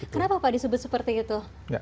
kenapa pak disebut seperti itu